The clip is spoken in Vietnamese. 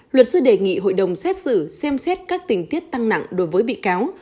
luật sư đề nghị hội đồng xét xử xem xét các tình tiết tăng nặng đối với bị cáo